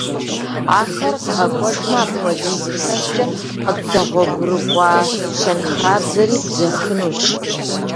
Ахэр дгъэкӀуэдмэ, апхуэдиз илъэскӀэ къыддэгъуэгурыкӀуа щэнхабзэри бзэхынущ.